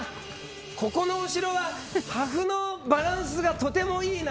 ここのお城は破風のバランスがとてもいいな。